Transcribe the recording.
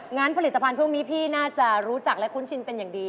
งั้นผลิตภัณฑ์พวกนี้พี่น่าจะรู้จักและคุ้นชินเป็นอย่างดี